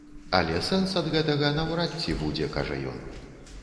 Але сэнс ад гэтага наўрад ці будзе, кажа ён.